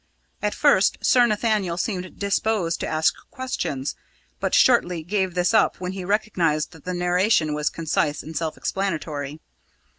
At first, Sir Nathaniel seemed disposed to ask questions, but shortly gave this up when he recognised that the narration was concise and self explanatory.